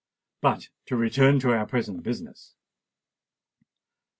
But to return to our present business.